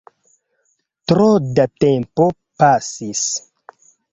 Tro da tempo pasis